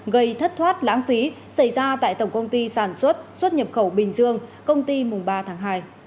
gây thất thoát lãng phí xảy ra tại tổng công ty sản xuất xuất nhập khẩu bình dương công ty mùng ba tháng hai